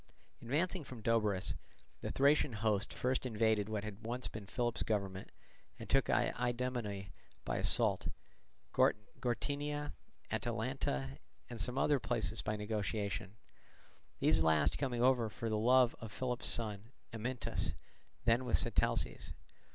Advancing from Doberus, the Thracian host first invaded what had been once Philip's government, and took Idomene by assault, Gortynia, Atalanta, and some other places by negotiation, these last coming over for love of Philip's son, Amyntas, then with Sitalces.